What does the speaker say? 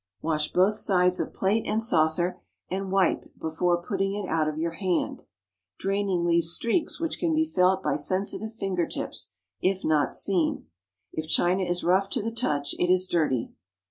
Wash both sides of plate and saucer, and wipe before putting it out of your hand. Draining leaves streaks which can be felt by sensitive finger tips, if not seen. If china is rough to the touch, it is dirty.